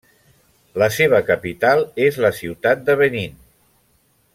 La seva capital és la ciutat de Benín.